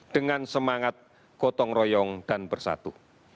dengan semangat gotong royong dan bersatu